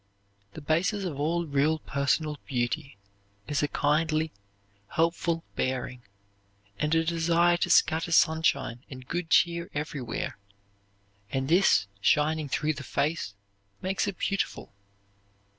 The basis of all real personal beauty is a kindly, helpful bearing and a desire to scatter sunshine and good cheer everywhere, and this, shining through the face, makes it beautiful.